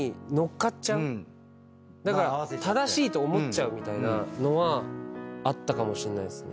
だから正しいと思っちゃうみたいなのはあったかもしんないっすね。